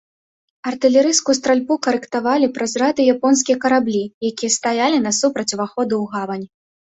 Артылерыйскую стральбу карэктавалі праз радыё японскія караблі, якія стаялі насупраць уваходу ў гавань.